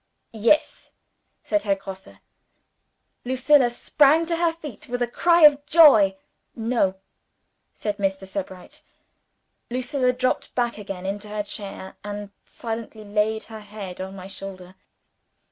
"Yes," said Herr Grosse. Lucilla sprang to her feet, with a cry of joy. "No," said Mr. Sebright. Lucilla dropped back again into her chair, and silently laid her head on my shoulder.